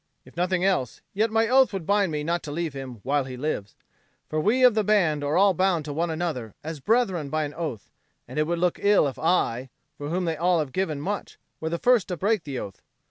"If nothing else, yet my oath would bind me not to leave him while he lives. For we of the band are all bound to one another as brethren by an oath, and it would look ill if I, for whom they all have given much, were the first to break the oath.